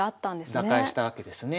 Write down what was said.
打開したわけですね。